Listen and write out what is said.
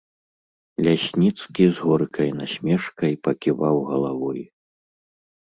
Лясніцкі з горкай насмешкай паківаў галавой.